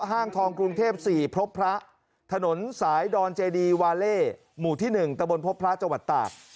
ห้างทองกรุงเทพศรีพระพระถนนสายดอนเจดีวาเลหมู่ที่หนึ่งตะบนพระพระจัวร์ตาก